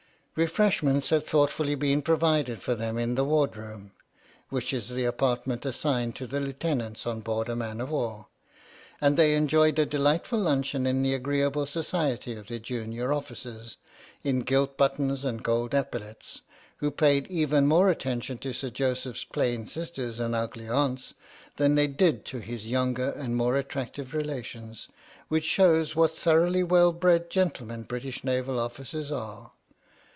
Refreshments had thoughtfully been provided for them in the ward room, (which is the apartment assigned to the lieutenants on board a man o' war), and they enjoyed a delightful luncheon in the agreeable society of the junior officers in gilt buttons and gold epaulettes, who paid even more attention to Sir Joseph's plain sisters and ugly aunts than they did to his younger and more attractive relations ; which shows what thoroughly well bred gentlemen British naval officers are.